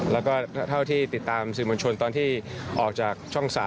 แล้วก็เท่าที่ติดตามสื่อมวลชนตอนที่ออกจากช่อง๓